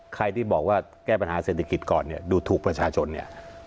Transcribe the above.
ใครที่บอกว่าแก้ปัญหาเศรษฐกิจก่อนเนี่ยดูถูกประชาชนเนี่ย